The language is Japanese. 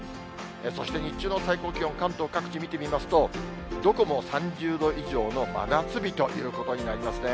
そして日中の最高気温、関東各地見てみますと、どこも３０度以上の真夏日ということになりますね。